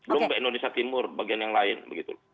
loh indonesia timur bagian yang lain begitu